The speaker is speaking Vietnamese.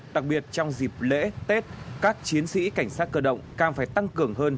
đặc biệt trong dịp lễ tết các chiến sĩ cảnh sát cơ động càng phải tăng cường hơn